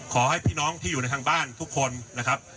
ขอให้พี่น้องที่อยู่ในทางบ้านทุกคนนะครับ